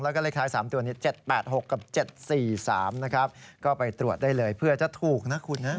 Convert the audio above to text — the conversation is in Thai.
แล้วก็เลขท้ายสามตัวนี้เจ็ดแปดหกกับเจ็ดสี่สามนะครับก็ไปตรวจได้เลยเพื่อจะถูกนะคุณนะ